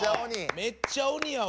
めっちゃ鬼やわ！